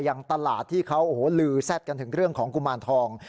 ยังตลาดที่เขาโอ้โหลือแซ่บกันถึงเรื่องของกุมารทอง